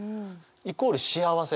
イコール幸せ。